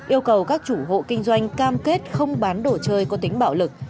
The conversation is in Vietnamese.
yêu cầu các chủ hộ kinh doanh cam kết không bán đồ chơi có tính bạo lực